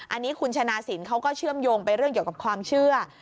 อันนี้คุณชนะสินเขาก็เชื่อมโยงไปเรื่องเกี่ยวกับความเชื่อ